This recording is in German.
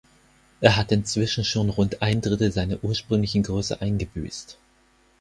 Er hat inzwischen schon rund ein Drittel seiner ursprünglichen Größe eingebüßt.